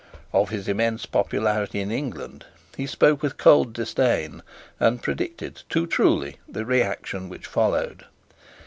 Of his immense popularity in England he spoke with cold disdain, and predicted, too truly, the reaction which followed.